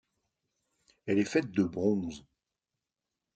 Elle est faite de bronze.